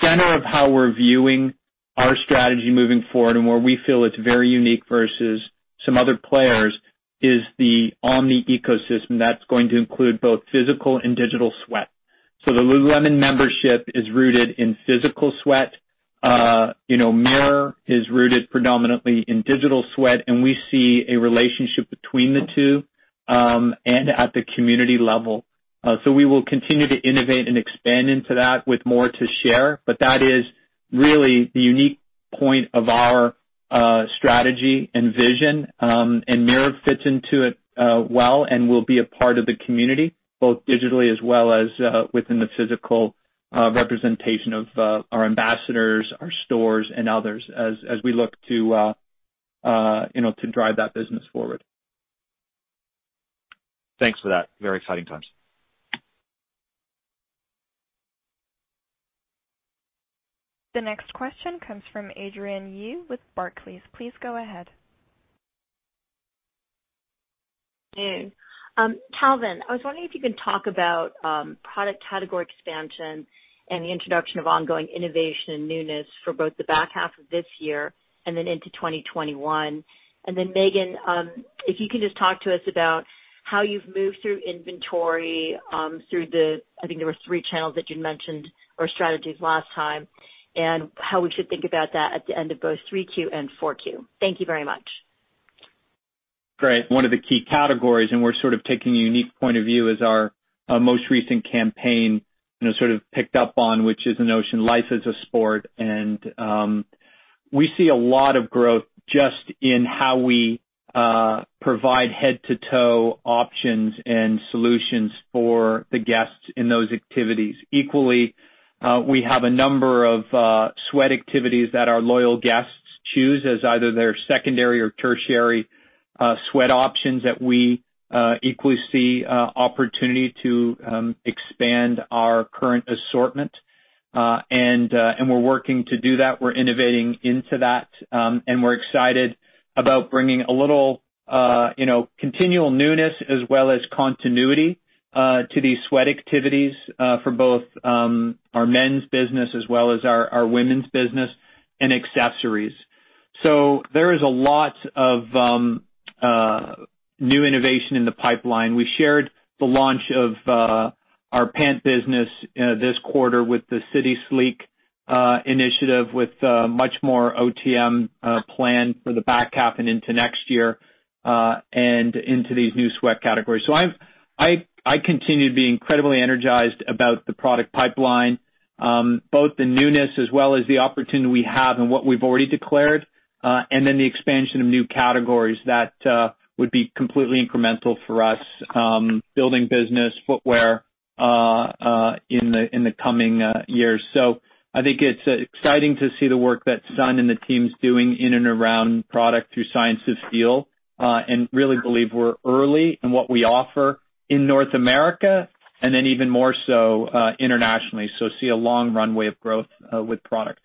Center of how we're viewing our strategy moving forward and where we feel it's very unique versus some other players is the omni ecosystem. That's going to include both physical and digital sweat. The Lululemon membership is rooted in physical sweat. Mirror is rooted predominantly in digital sweat, and we see a relationship between the two, and at the community level. We will continue to innovate and expand into that with more to share. That is really the unique point of our strategy and vision. Mirror fits into it well and will be a part of the community, both digitally as well as within the physical representation of our ambassadors, our stores, and others, as we look to drive that business forward. Thanks for that. Very exciting times. The next question comes from Adrienne Yih with Barclays. Please go ahead. Calvin, I was wondering if you can talk about product category expansion and the introduction of ongoing innovation and newness for both the back half of this year and then into 2021. Meghan, if you can just talk to us about how you've moved through inventory, through the, I think there were three channels that you'd mentioned or strategies last time, and how we should think about that at the end of both 3Q and 4Q. Thank you very much. Great. One of the key categories, we're sort of taking a unique point of view as our most recent campaign sort of picked up on, which is the notion life is a sport. We see a lot of growth just in how we provide head to toe options and solutions for the guests in those activities. Equally, we have a number of sweat activities that our loyal guests choose as either their secondary or tertiary sweat options that we equally see opportunity to expand our current assortment. We're working to do that. We're innovating into that. We're excited about bringing a little continual newness as well as continuity to these sweat activities, for both our men's business as well as our women's business and accessories. There is a lot of new innovation in the pipeline. We shared the launch of our pant business this quarter with the City Sleek initiative, with much more OTM planned for the back half and into next year, and into these new sweat categories. I continue to be incredibly energized about the product pipeline. Both the newness as well as the opportunity we have and what we've already declared, the expansion of new categories that would be completely incremental for us, building business footwear in the coming years. I think it's exciting to see the work that Sun and the team's doing in and around product through Science of Feel, and really believe we're early in what we offer in North America, even more so internationally. See a long runway of growth with product.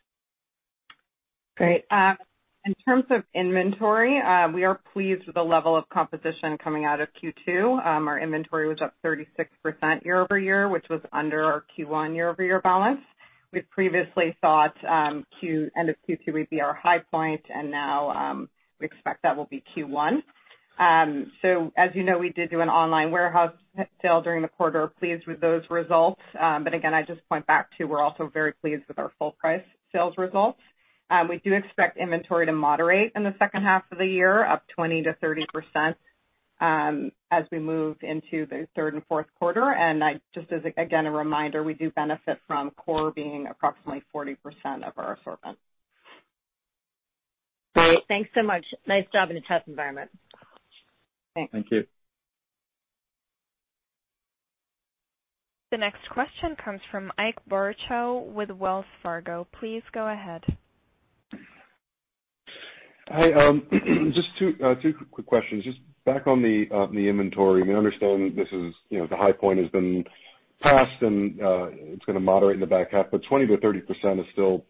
Great. In terms of inventory, we are pleased with the level of composition coming out of Q2. Our inventory was up 36% year-over-year, which was under our Q1 year-over-year balance. We previously thought end of Q2 would be our high point, now we expect that will be Q1. As you know, we did do an online warehouse sale during the quarter. Pleased with those results. Again, I just point back to we're also very pleased with our full price sales results. We do expect inventory to moderate in the second half of the year, up 20%-30%, as we move into the third and fourth quarter. Just as, again, a reminder, we do benefit from core being approximately 40% of our assortment. Great. Thanks so much. Nice job in a tough environment. Thanks. Thank you. The next question comes from Ike Boruchow with Wells Fargo. Please go ahead. Hi. Just two quick questions. Just back on the inventory. I mean, I understand that the high point has been passed and it's gonna moderate in the back half, but 20%-30% is still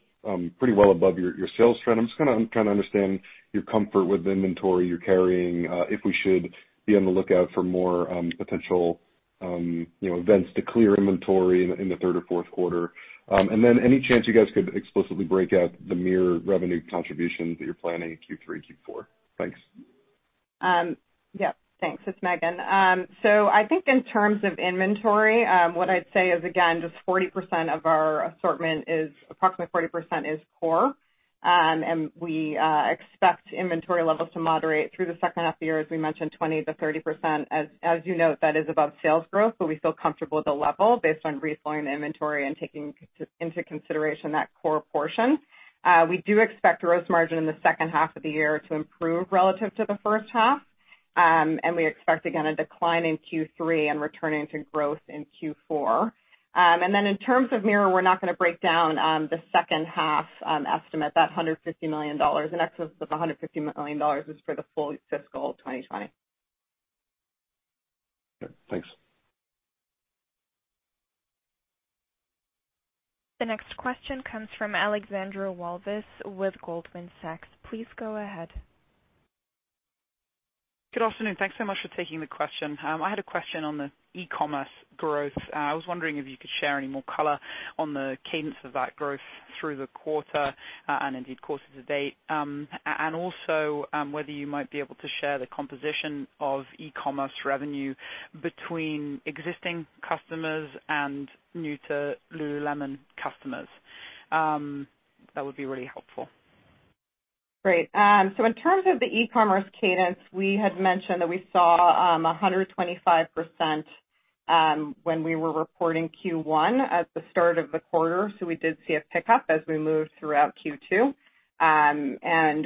pretty well above your sales trend. I'm just trying to understand your comfort with the inventory you're carrying, if we should be on the lookout for more potential events to clear inventory in the third or fourth quarter. Any chance you guys could explicitly break out the Mirror revenue contributions that you're planning in Q3, Q4? Thanks. Yep. Thanks. It's Meghan. I think in terms of inventory, what I'd say is, again, just 40% of our assortment is, approximately 40% is core. We expect inventory levels to moderate through the second half of the year, as we mentioned, 20%-30%. As you note, that is above sales growth, but we feel comfortable with the level based on reflowing the inventory and taking into consideration that core portion. We do expect gross margin in the second half of the year to improve relative to the first half. We expect, again, a decline in Q3 and returning to growth in Q4. In terms of Mirror, we're not gonna break down the second half estimate. That $150 million, in excess of $150 million is for the full fiscal 2020. Okay, thanks. The next question comes from Alexandra Walvis with Goldman Sachs. Please go ahead. Good afternoon. Thanks so much for taking the question. I had a question on the e-commerce growth. I was wondering if you could share any more color on the cadence of that growth through the quarter, and indeed quarter to date. And also, whether you might be able to share the composition of e-commerce revenue between existing customers and new to Lululemon customers. That would be really helpful. Great. In terms of the e-commerce cadence, we had mentioned that we saw 125% when we were reporting Q1 at the start of the quarter. We did see a pickup as we moved throughout Q2.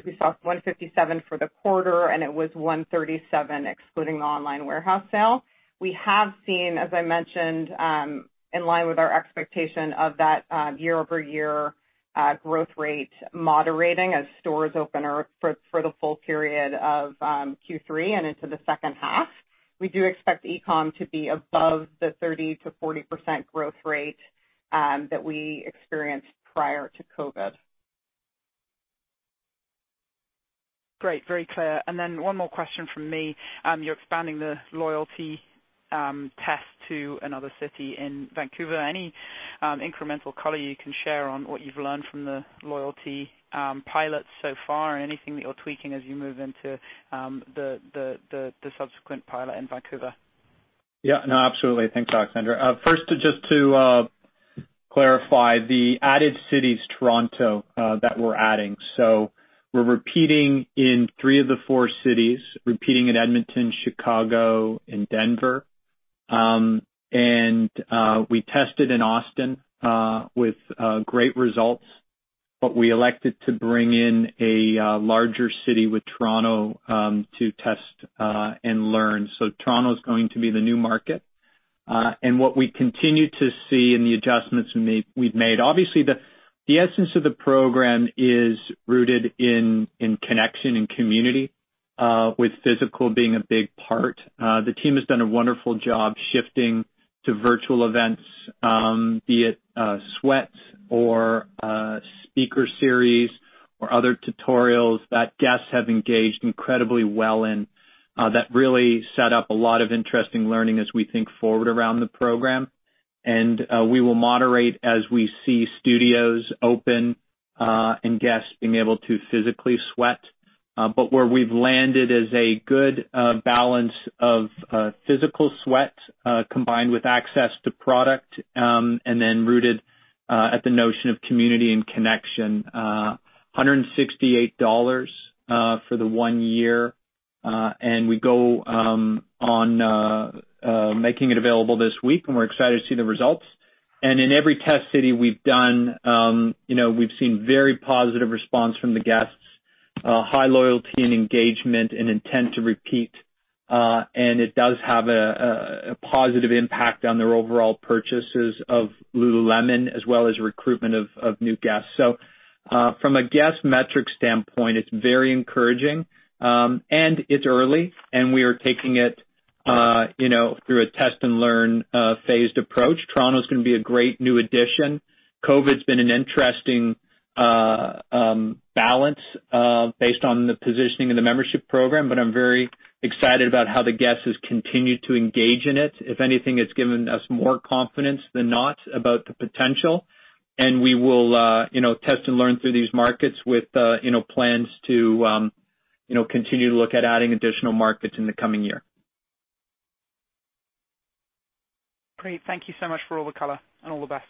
We saw 157 for the quarter, and it was 137 excluding the online warehouse sale. We have seen, as I mentioned, in line with our expectation of that year-over-year growth rate moderating as stores open for the full period of Q3 and into the second half. We do expect e-com to be above the 30%-40% growth rate that we experienced prior to COVID. Great. Very clear. One more question from me. You're expanding the loyalty test to another city in Vancouver. Any incremental color you can share on what you've learned from the loyalty pilot so far, and anything that you're tweaking as you move into the subsequent pilot in Vancouver? Yeah, no, absolutely. Thanks, Alexandra. First, just to clarify, the added city is Toronto that we're adding. We're repeating in three of the four cities, repeating in Edmonton, Chicago, and Denver. We tested in Austin with great results. We elected to bring in a larger city with Toronto, to test and learn. Toronto's going to be the new market. What we continue to see in the adjustments we've made, obviously the essence of the program is rooted in connection and community, with physical being a big part. The team has done a wonderful job shifting to virtual events, be it sweats or speaker series or other tutorials that guests have engaged incredibly well in, that really set up a lot of interesting learning as we think forward around the program. We will moderate as we see studios open and guests being able to physically sweat. Where we've landed is a good balance of physical sweat, combined with access to product, then rooted at the notion of community and connection. $168 for the one year, we go on making it available this week, we're excited to see the results. In every test city we've done, we've seen very positive response from the guests, high loyalty and engagement and intent to repeat. It does have a positive impact on their overall purchases of Lululemon, as well as recruitment of new guests. From a guest metric standpoint, it's very encouraging. It's early, we are taking it through a test and learn, phased approach. Toronto's going to be a great new addition. COVID's been an interesting balance based on the positioning of the membership program, but I'm very excited about how the guests have continued to engage in it. If anything, it's given us more confidence than not about the potential. We will test and learn through these markets with plans to continue to look at adding additional markets in the coming year. Great. Thank you so much for all the color, and all the best.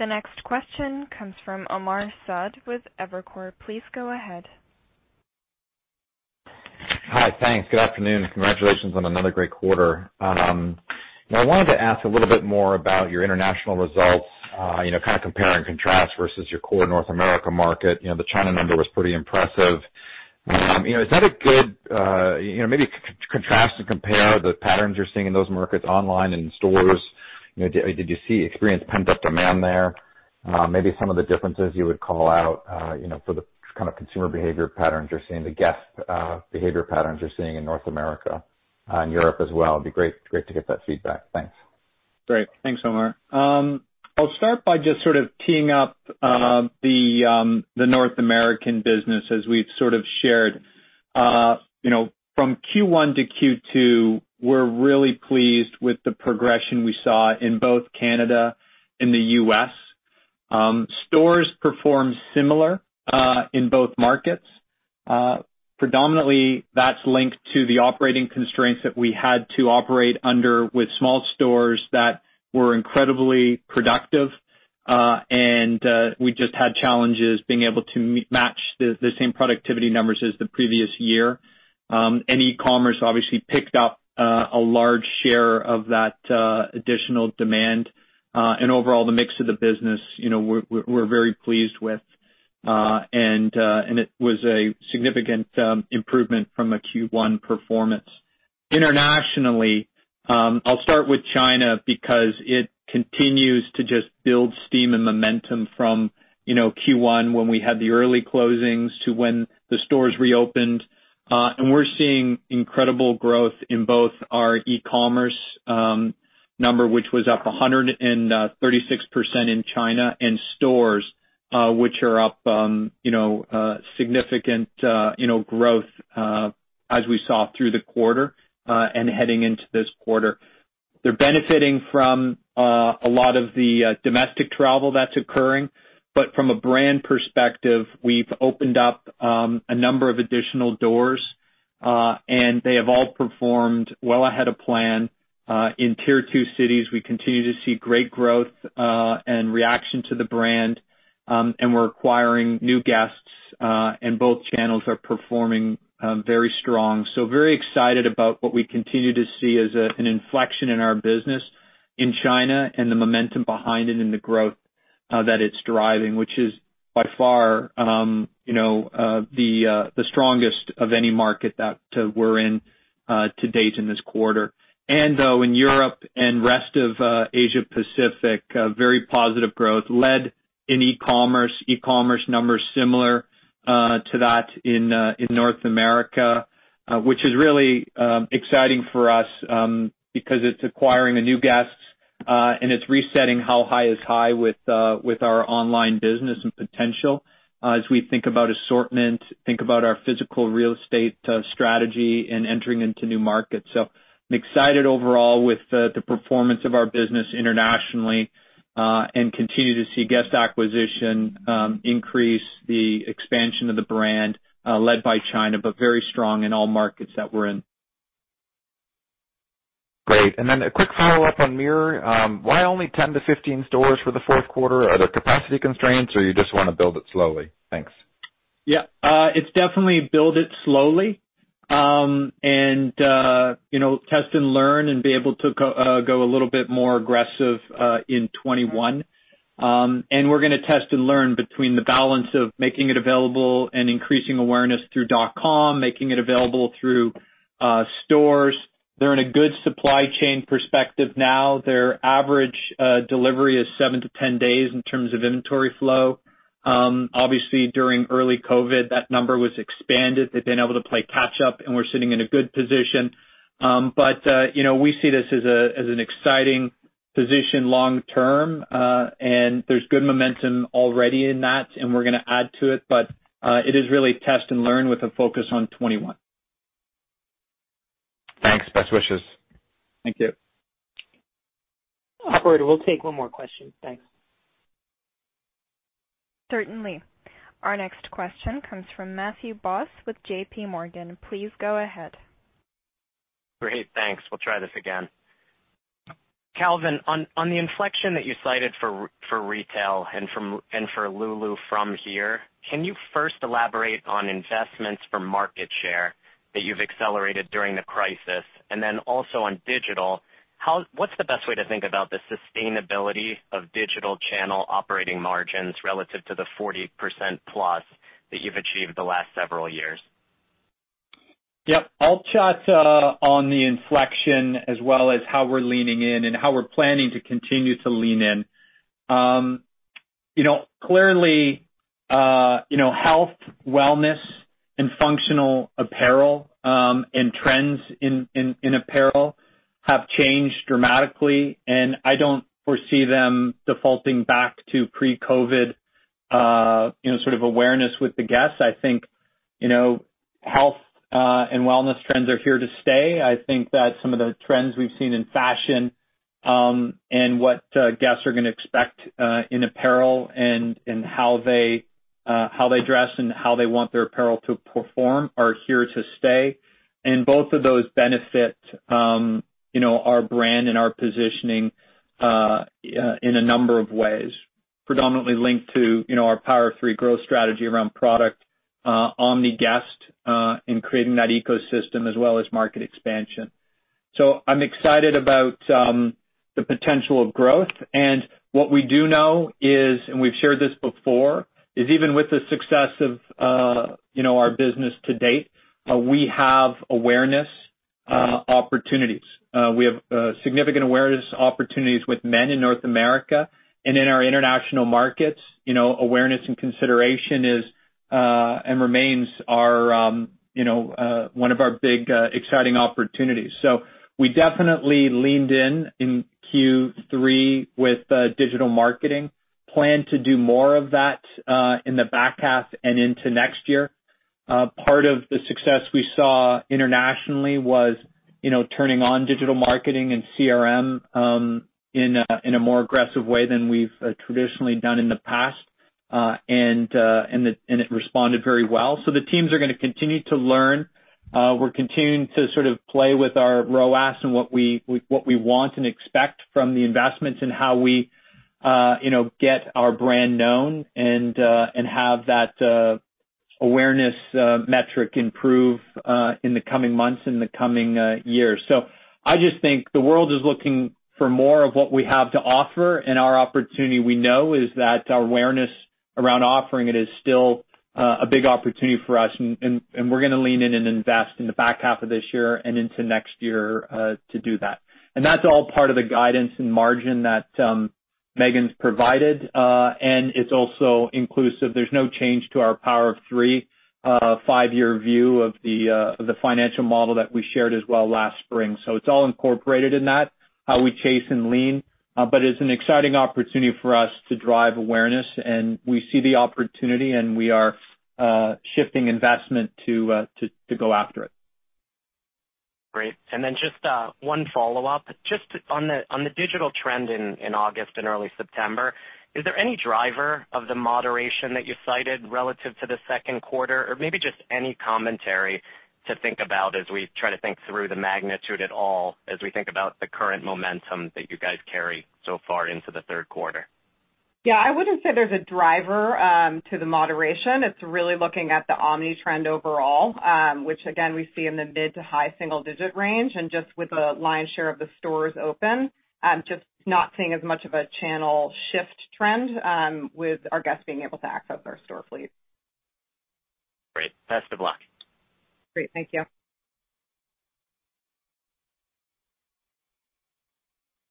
The next question comes from Omar Saad with Evercore. Please go ahead. Hi. Thanks. Good afternoon. Congratulations on another great quarter. I wanted to ask a little bit more about your international results, kind of compare and contrast versus your core North America market. The China number was pretty impressive. Maybe contrast and compare the patterns you're seeing in those markets online and in stores. Did you see experienced pent-up demand there? Maybe some of the differences you would call out for the kind of consumer behavior patterns you're seeing, the guest behavior patterns you're seeing in North America and Europe as well. It'd be great to get that feedback. Thanks. Great. Thanks, Omar. I'll start by just sort of teeing up the North American business, as we've sort of shared. From Q1 to Q2, we're really pleased with the progression we saw in both Canada and the U.S. Stores performed similar in both markets. Predominantly, that's linked to the operating constraints that we had to operate under with small stores that were incredibly productive, and we just had challenges being able to match the same productivity numbers as the previous year. E-commerce obviously picked up a large share of that additional demand. Overall, the mix of the business, we're very pleased with. It was a significant improvement from a Q1 performance. Internationally, I'll start with China, because it continues to just build steam and momentum from Q1, when we had the early closings to when the stores reopened. We're seeing incredible growth in both our e-commerce number, which was up 136% in China, and stores, which are up significant growth as we saw through the quarter and heading into this quarter. They're benefiting from a lot of the domestic travel that's occurring. From a brand perspective, we've opened up a number of additional doors, and they have all performed well ahead of plan. In tier 2 cities, we continue to see great growth and reaction to the brand, and we're acquiring new guests, and both channels are performing very strong. Very excited about what we continue to see as an inflection in our business in China and the momentum behind it and the growth that it's driving, which is by far the strongest of any market that we're in to date in this quarter. Though in Europe and rest of Asia Pacific, very positive growth led in e-commerce. E-commerce numbers similar to that in North America, which is really exciting for us because it's acquiring the new guests, and it's resetting how high is high with our online business and potential as we think about assortment, think about our physical real estate strategy and entering into new markets. I'm excited overall with the performance of our business internationally, and continue to see guest acquisition increase the expansion of the brand led by China, but very strong in all markets that we're in. Great. A quick follow-up on Mirror. Why only 10 to 15 stores for the fourth quarter? Are there capacity constraints, or you just want to build it slowly? Thanks. It's definitely build it slowly. Test and learn and be able to go a little bit more aggressive in 2021. We're going to test and learn between the balance of making it available and increasing awareness through .com, making it available through stores. They're in a good supply chain perspective now. Their average delivery is seven to 10 days in terms of inventory flow. Obviously, during early COVID-19, that number was expanded. They've been able to play catch up, and we're sitting in a good position. We see this as an exciting position long term. There's good momentum already in that, and we're gonna add to it, but it is really test and learn with a focus on 2021. Thanks. Best wishes. Thank you. Operator, we'll take one more question. Thanks. Certainly. Our next question comes from Matthew Boss with JPMorgan. Please go ahead. Great, thanks. We'll try this again. Calvin, on the inflection that you cited for retail and for Lulu from here, can you first elaborate on investments for market share that you've accelerated during the crisis? Then also on digital, what's the best way to think about the sustainability of digital channel operating margins relative to the 40% plus that you've achieved the last several years? Yep. I'll chat on the inflection as well as how we're leaning in and how we're planning to continue to lean in. Clearly, health, wellness, and functional apparel, and trends in apparel have changed dramatically, and I don't foresee them defaulting back to pre-COVID-19 awareness with the guests. I think health and wellness trends are here to stay. I think that some of the trends we've seen in fashion, and what guests are gonna expect in apparel and how they dress and how they want their apparel to perform are here to stay. Both of those benefit our brand and our positioning in a number of ways, predominantly linked to our Power of Three growth strategy around product, omniguest, in creating that ecosystem as well as market expansion. I'm excited about the potential of growth. What we do know is, and we've shared this before, is even with the success of our business to date, we have awareness opportunities. We have significant awareness opportunities with men in North America and in our international markets. Awareness and consideration is and remains one of our big, exciting opportunities. We definitely leaned in in Q3 with digital marketing. Plan to do more of that in the back half and into next year. Part of the success we saw internationally was turning on digital marketing and CRM in a more aggressive way than we've traditionally done in the past. It responded very well. The teams are gonna continue to learn. We're continuing to play with our ROAS and what we want and expect from the investments and how we get our brand known and have that awareness metric improve in the coming months, in the coming year. I just think the world is looking for more of what we have to offer, and our opportunity, we know, is that our awareness around offering it is still a big opportunity for us, and we're gonna lean in and invest in the back half of this year and into next year to do that. That's all part of the guidance and margin that Meghan's provided. It's also inclusive. There's no change to our Power of Three five-year view of the financial model that we shared as well last spring. It's all incorporated in that, how we chase and lean. It's an exciting opportunity for us to drive awareness, and we see the opportunity, and we are shifting investment to go after it. Great. Just one follow-up. Just on the digital trend in August and early September, is there any driver of the moderation that you cited relative to the second quarter? Maybe just any commentary to think about as we try to think through the magnitude at all as we think about the current momentum that you guys carry so far into the third quarter. Yeah, I wouldn't say there's a driver to the moderation. It's really looking at the omni trend overall, which again, we see in the mid to high single digit range and just with the lion's share of the stores open, just not seeing as much of a channel shift trend with our guests being able to access our store fleet. Great. Best of luck. Great. Thank you.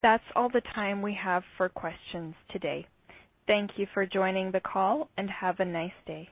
That's all the time we have for questions today. Thank you for joining the call, and have a nice day.